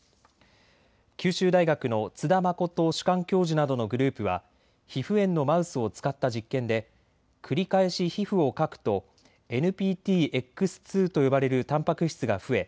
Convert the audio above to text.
九州大学の津田誠主幹教授などのグループは皮膚炎のマウスを使った実験で繰り返し皮膚をかくとＮＰＴＸ２と呼ばれるたんぱく質が増え